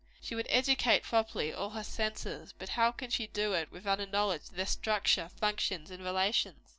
She would educate, properly, all her senses; but how can she do it, without a knowledge of their structure, functions and relations?